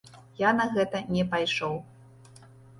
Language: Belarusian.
Я на гэта не пайшоў.